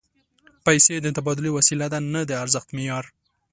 پیسې د تبادلې وسیله ده، نه د ارزښت معیار